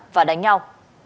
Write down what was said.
và đánh nhau